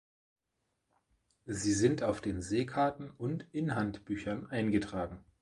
Sie sind auf den Seekarten und in Handbüchern eingetragen.